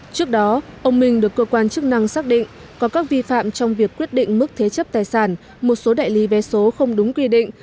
trước đó ông minh được cơ quan chức năng xác định có các vi phạm trong việc quyết định mức thế chấp tài sản một số đại lý vé số không đúng quy định